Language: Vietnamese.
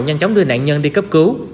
nhanh chóng đưa nạn nhân đi cấp cứu